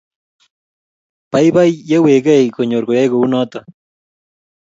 Baibai ye weegei konyor koyaei ko u noto